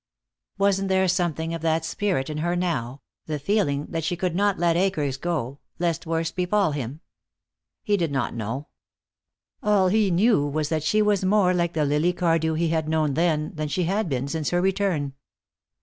Wasn't there something of that spirit in her now, the feeling that she could not let Akers go, lest worse befall him? He did not know. All he knew was that she was more like the Lily Cardew he had known then than she had been since her return.